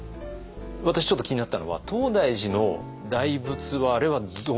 私ちょっと気になったのは東大寺の大仏はあれはどうなったんですか？